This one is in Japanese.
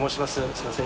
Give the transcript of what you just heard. すいません